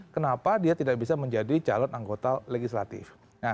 kenapa dia tidak bisa menjadi calon anggota legislatif